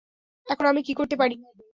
এখন আমি কি করতে পারি?